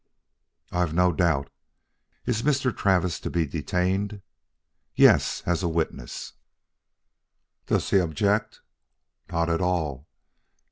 "I've no doubt. Is Mr. Travis to be detained?" "Yes, as witness." "Does he object?" "Not at all.